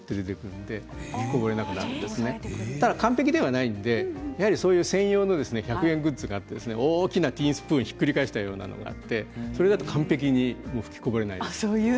でも完璧ではないのでそういう専用の１００円グッズがあって大きなティースプーンをひっくり返したようなものがあって、それだと完璧に吹きこぼれないです。